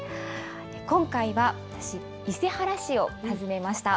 今回は伊勢原市を訪ねました。